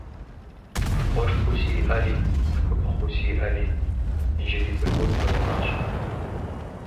Все мои братья и сестры умерли во младенчестве.